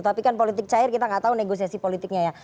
tapi kan politik cair kita nggak tahu negosiasi politiknya ya